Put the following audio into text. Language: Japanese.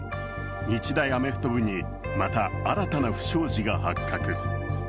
日大アメフト部にまた新たな不祥事が発覚。